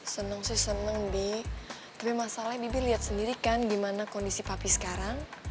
seneng sih seneng bi tapi masalahnya bibi lihat sendiri kan di mana kondisi papi sekarang